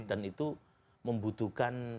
dan itu membutuhkan